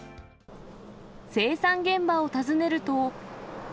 生産現場を訪ねると。